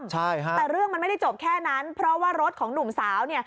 แต่เรื่องมันไม่ได้จบแค่นั้นเพราะว่ารถของหนุ่มสาว